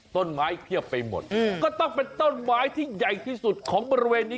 ต้นไม้เพียบไปหมดก็ต้องเป็นต้นไม้ที่ใหญ่ที่สุดของบริเวณนี้